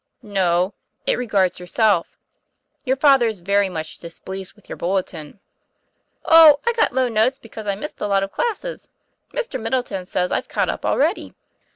'No; it regards yourself. Your father is very much displeased with your bulletin." "Oh, I got low notes because I missed a lot of classes. Mr. Middleton says I've caught up already."